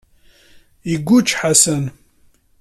Iguǧǧ Ḥasan.